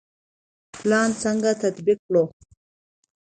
پلان څنګه تطبیق کړو؟